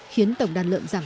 khiến tổng đàn lợn giảm